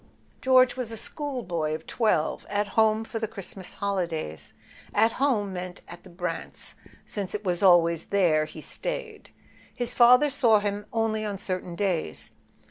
George was a schoolboy of twelve, at home for the Christmas holidays. At home meant at the Brants', since it was always there he stayed: his father saw him only on certain days.